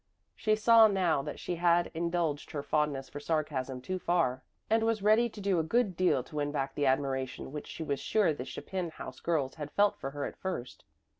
She saw now that she had indulged her fondness for sarcasm too far, and was ready to do a good deal to win back the admiration which she was sure the Chapin house girls had felt for her at first.